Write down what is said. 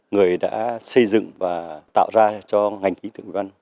người đã xây dựng và tạo ra cho ngành khí tượng thủy văn